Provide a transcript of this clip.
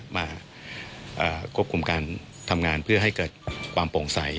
มาควบคุมการทำงานเพื่อให้เกิดความโปร่งใส